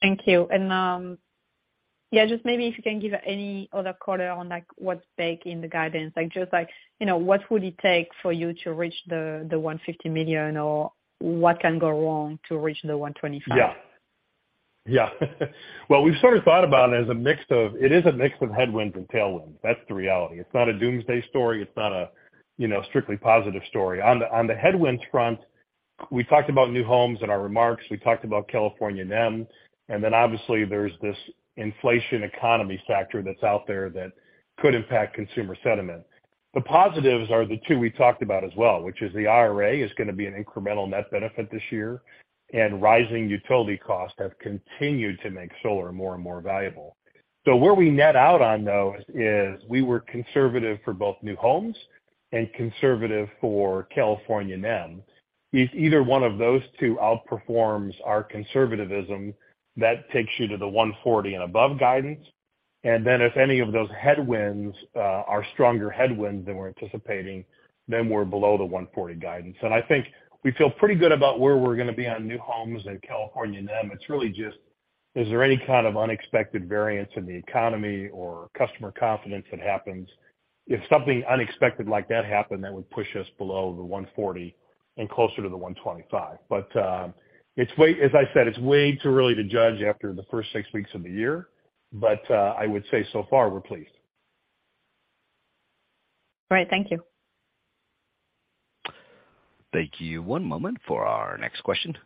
Thank you. Yeah, just maybe if you can give any other color on, like, what's baked in the guidance. Like, just like, you know, what would it take for you to reach the 150 million, or what can go wrong to reach the 125 million? Yeah. Yeah. Well, we've sort of thought about it as a mix of... It is a mix of headwinds and tailwinds. That's the reality. It's not a doomsday story. It's not a, you know, strictly positive story. On the, on the headwinds front, we talked about new homes in our remarks. We talked about California NEM. Obviously there's this inflation economy factor that's out there that could impact consumer sentiment. The positives are the two we talked about as well, which is the IRA is going to be an incremental net benefit this year, and rising utility costs have continued to make solar more and more valuable. Where we net out on those is we were conservative for both new homes and conservative for California NEM. If either one of those two outperforms our conservativism, that takes you to the 140 and above guidance. If any of those headwinds are stronger headwinds than we're anticipating, then we're below the 140 guidance. I think we feel pretty good about where we're going to be on new homes in California NEM. It's really just, is there any kind of unexpected variance in the economy or customer confidence that happens? If something unexpected like that happened, that would push us below the 140 and closer to the 125. It's as I said, it's way too early to judge after the first six weeks of the year. I would say so far we're pleased. All right. Thank you. Thank you. One moment for our next question.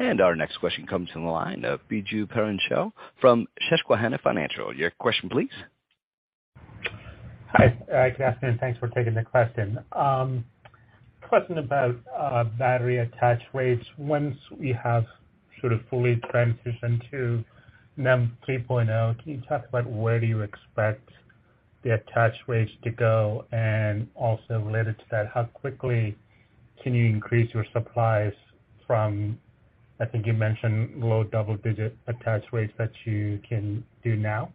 Our next question comes from the line of Biju Perincheril from Susquehanna Financial. Your question, please. Hi. Good afternoon, thanks for taking the question. Question about battery attach rates. Once we have sort of fully transitioned to NEM 3.0, can you talk about where do you expect the attach rates to go? Also related to that, how quickly can you increase your supplies from, I think you mentioned low double-digit attach rates that you can do now?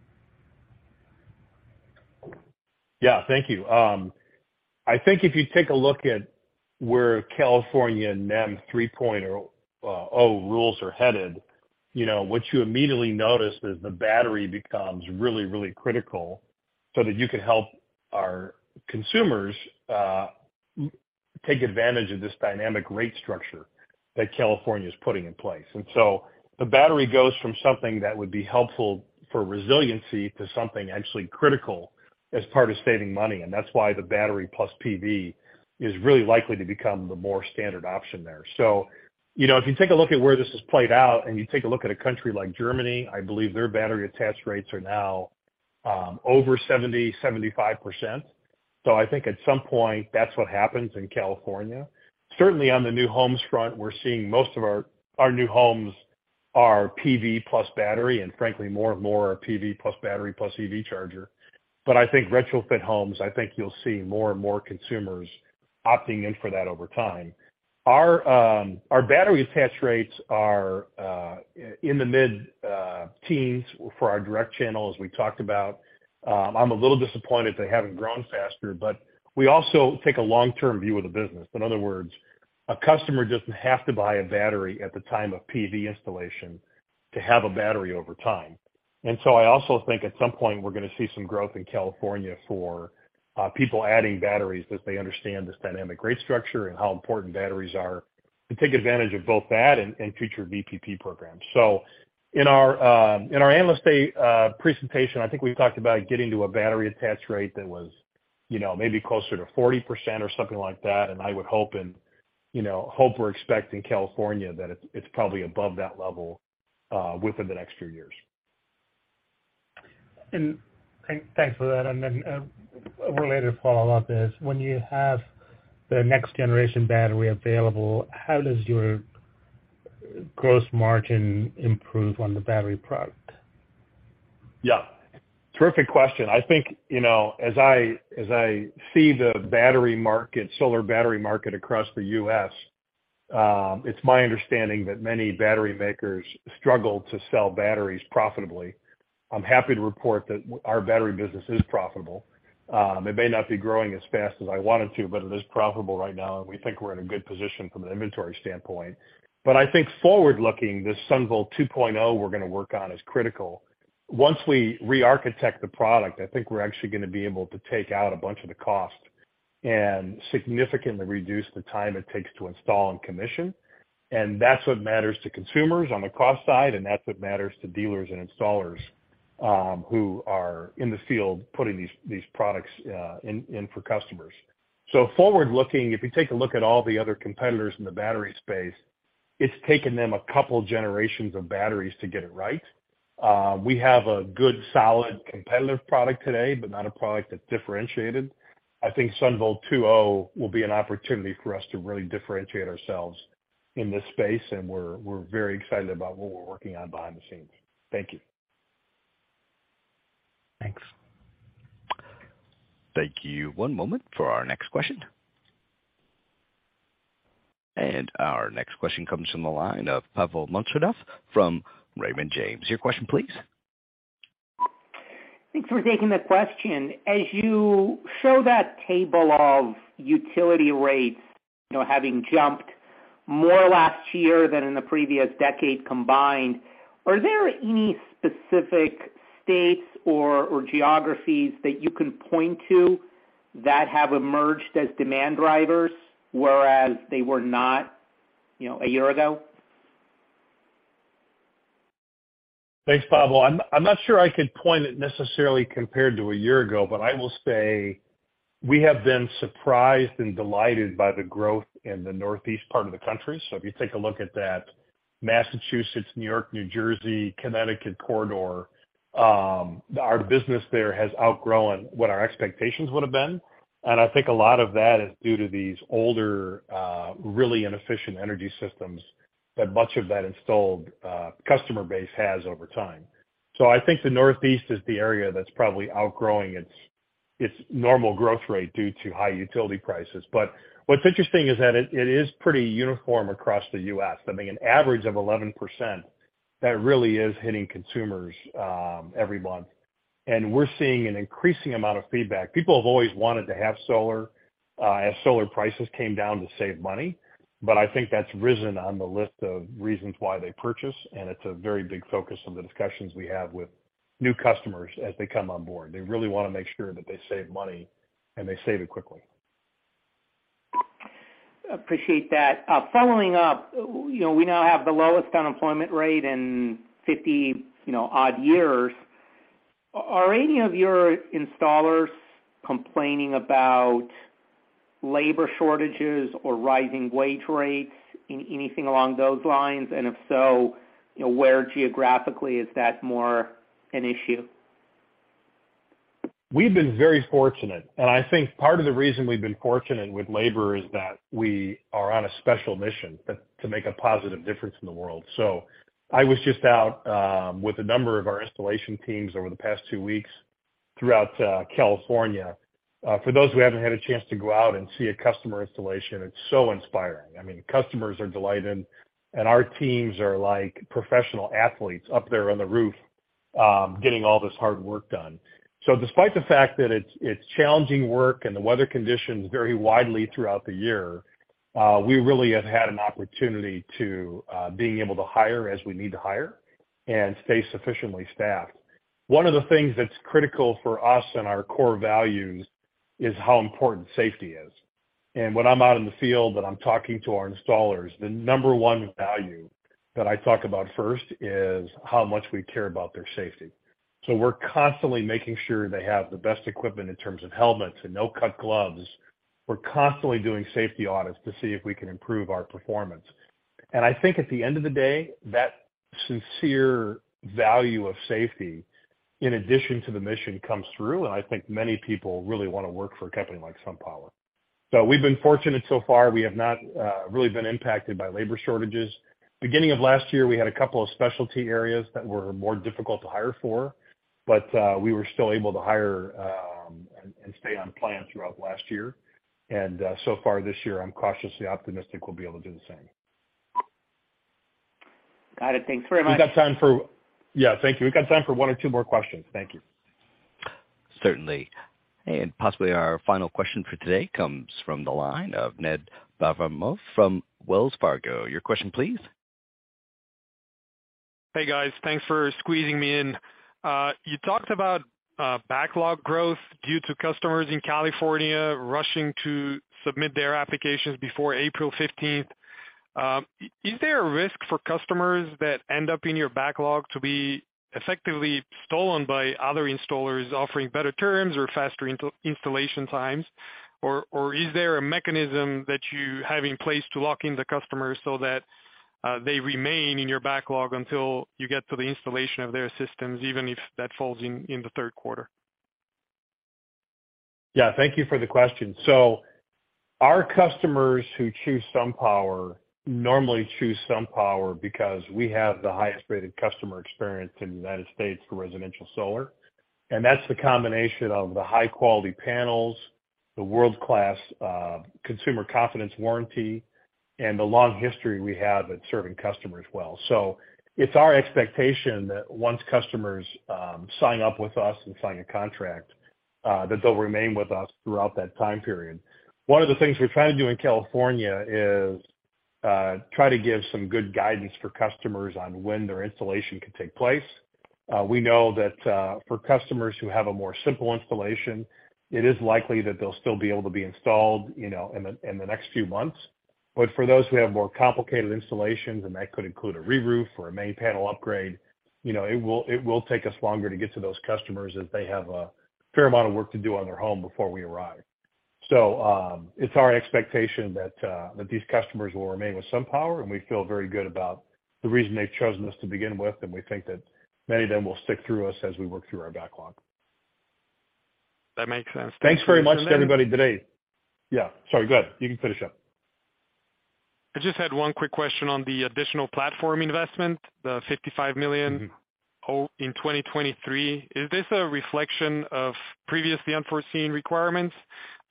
Yeah. Thank you. I think if you take a look at where California NEM 3.0 rules are headed, you know, what you immediately notice is the battery becomes really, really critical so that you can help our consumers take advantage of this dynamic rate structure that California is putting in place. The battery goes from something that would be helpful for resiliency to something actually critical as part of saving money. That's why the battery plus PV is really likely to become the more standard option there. You know, if you take a look at where this has played out and you take a look at a country like Germany, I believe their battery attach rates are now over 70%-75%. I think at some point that's what happens in California. Certainly on the new homes front, we're seeing most of our new homes are PV plus battery, and frankly more and more are PV plus battery plus EV charger. I think retrofit homes, I think you'll see more and more consumers opting in for that over time. Our battery attach rates are in the mid-teens for our direct channels we talked about. I'm a little disappointed they haven't grown faster, we also take a long-term view of the business. In other words, a customer doesn't have to buy a battery at the time of PV installation to have a battery over time. I also think at some point we're going to see some growth in California for people adding batteries as they understand this dynamic rate structure and how important batteries are to take advantage of both that and future VPP programs. In our Analyst Day presentation, I think we talked about getting to a battery attach rate that was, you know, maybe closer to 40% or something like that. I would hope and, you know, we're expecting California that it's probably above that level within the next few years. Thanks for that. Then a related follow-up is when you have the next generation battery available, how does your gross margin improve on the battery product? Yeah, terrific question. I think, you know, as I, as I see the battery market, solar battery market across the U.S., it's my understanding that many battery makers struggle to sell batteries profitably. I'm happy to report that our battery business is profitable. It may not be growing as fast as I want it to, but it is profitable right now, and we think we're in a good position from an inventory standpoint. I think forward-looking, this SunVault 2.0 we're going to work on is critical. Once we re-architect the product, I think we're actually going to be able to take out a bunch of the cost and significantly reduce the time it takes to install and commission. That's what matters to consumers on the cost side, and that's what matters to dealers and installers, who are in the field putting these products, in for customers. Forward looking, if you take a look at all the other competitors in the battery space, it's taken them a couple generations of batteries to get it right. We have a good, solid, competitive product today, but not a product that's differentiated. I think SunVault 2.0 will be an opportunity for us to really differentiate ourselves in this space, and we're very excited about what we're working on behind the scenes. Thank you. Thanks. Thank you. One moment for our next question. Our next question comes from the line of Pavel Molchanov from Raymond James. Your question please. Thanks for taking the question. As you show that table of utility rates, you know, having jumped more last year than in the previous decade combined, are there any specific states or geographies that you can point to that have emerged as demand drivers, whereas they were not, you know, a year ago? Thanks, Pavel. I'm not sure I could point it necessarily compared to a year ago, but I will say we have been surprised and delighted by the growth in the Northeast part of the country. If you take a look at that Massachusetts, New York, New Jersey, Connecticut corridor, our business there has outgrown what our expectations would have been. I think a lot of that is due to these older, really inefficient energy systems that much of that installed customer base has over time. I think the Northeast is the area that's probably outgrowing its normal growth rate due to high utility prices. What's interesting is that it is pretty uniform across the U.S. I mean, an average of 11%, that really is hitting consumers every month. We're seeing an increasing amount of feedback. People have always wanted to have solar, as solar prices came down to save money. I think that's risen on the list of reasons why they purchase. It's a very big focus on the discussions we have with new customers as they come on board. They really want to make sure that they save money and they save it quickly. Appreciate that. Following up, you know, we now have the lowest unemployment rate in 50, you know, odd years. Are any of your installers complaining about labor shortages or rising wage rates? Anything along those lines? If so, you know, where geographically is that more an issue? We've been very fortunate, and I think part of the reason we've been fortunate with labor is that we are on a special mission to make a positive difference in the world. I was just out with a number of our installation teams over the past two weeks throughout California. For those who haven't had a chance to go out and see a customer installation, it's so inspiring. I mean, customers are delighted, and our teams are like professional athletes up there on the roof, getting all this hard work done. Despite the fact that it's challenging work and the weather conditions vary widely throughout the year, we really have had an opportunity to being able to hire as we need to hire and stay sufficiently staffed. One of the things that's critical for us and our core values is how important safety is. When I'm out in the field and I'm talking to our installers, the number one value that I talk about first is how much we care about their safety. We're constantly making sure they have the best equipment in terms of helmets and no-cut gloves. We're constantly doing safety audits to see if we can improve our performance. I think at the end of the day, that sincere value of safety, in addition to the mission, comes through, and I think many people really want to work for a company like SunPower. We've been fortunate so far. We have not really been impacted by labor shortages. Beginning of last year, we had a couple of specialty areas that were more difficult to hire for, but we were still able to hire, and stay on plan throughout last year. So far this year, I'm cautiously optimistic we'll be able to do the same. Got it. Thanks very much. Yeah, thank you. We've got time for one or two more questions. Thank you. Certainly. Possibly our final question for today comes from the line of Bettina Bramwell from Wells Fargo. Your question, please. Hey, guys. Thanks for squeezing me in. You talked about backlog growth due to customers in California rushing to submit their applications before April 15th. Is there a risk for customers that end up in your backlog to be effectively stolen by other installers offering better terms or faster installation times? Or is there a mechanism that you have in place to lock in the customers so that they remain in your backlog until you get to the installation of their systems, even if that falls in the third quarter? Thank you for the question. Our customers who choose SunPower normally choose SunPower because we have the highest rated customer experience in the United States for residential solar, and that's the combination of the high-quality panels, the world-class, consumer confidence warranty, and the long history we have at serving customers well. It's our expectation that once customers sign up with us and sign a contract, that they'll remain with us throughout that time period. One of the things we're trying to do in California is try to give some good guidance for customers on when their installation can take place. We know that for customers who have a more simple installation, it is likely that they'll still be able to be installed, you know, in the, in the next few months. For those who have more complicated installations, and that could include a re-roof or a main panel upgrade, you know, it will take us longer to get to those customers if they have a fair amount of work to do on their home before we arrive. It's our expectation that these customers will remain with SunPower, and we feel very good about the reason they've chosen us to begin with, and we think that many of them will stick through us as we work through our backlog. That makes sense. Thanks very much. Thanks very much to everybody today. Yeah, sorry. Go ahead. You can finish up. I just had one quick question on the additional platform investment, the $55 million- Mm-hmm. in 2023. Is this a reflection of previously unforeseen requirements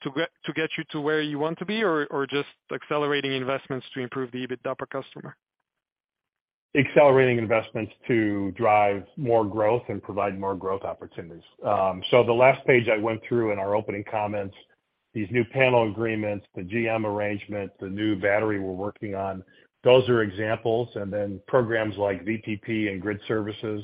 to get you to where you want to be, or just accelerating investments to improve the EBITDA per customer? Accelerating investments to drive more growth and provide more growth opportunities. The last page I went through in our opening comments, these new panel agreements, the GM arrangement, the new battery we're working on, those are examples. Programs like VPP and grid services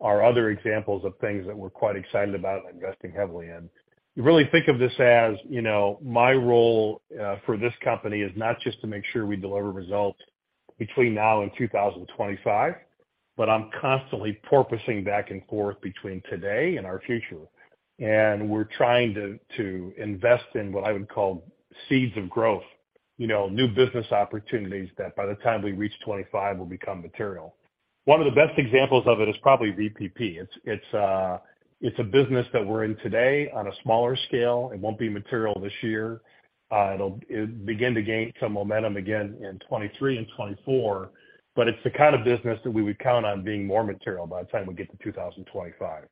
are other examples of things that we're quite excited about investing heavily in. You really think of this as, you know, my role for this company is not just to make sure we deliver results between now and 2025, but I'm constantly porpoising back and forth between today and our future. We're trying to invest in what I would call seeds of growth, you know, new business opportunities that by the time we reach 25 will become material. One of the best examples of it is probably VPP. It's a business that we're in today on a smaller scale. It won't be material this year. It'll begin to gain some momentum again in 23 and 24, but it's the kind of business that we would count on being more material by the time we get to 2025.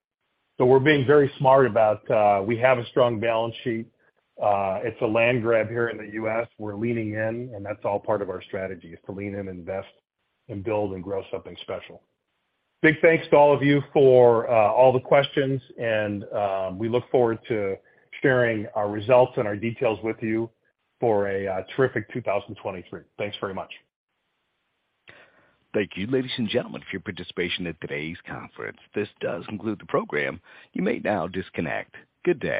We're being very smart about, we have a strong balance sheet. It's a land grab here in the U.S. We're leaning in, and that's all part of our strategy, is to lean in, invest, and build and grow something special. Big thanks to all of you for all the questions and we look forward to sharing our results and our details with you for a terrific 2023. Thanks very much. Thank you. Ladies and gentlemen, for your participation in today's conference. This does conclude the program. You may now disconnect. Good day.